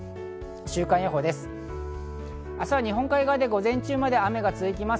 週間予報です。